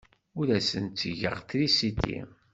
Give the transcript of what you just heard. Ur asen-ttgeɣ trisiti.